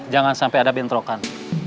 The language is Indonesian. jangan sampai ada bentrokan